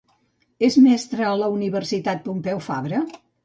És mestra a la Universitat Pompeu Fabra?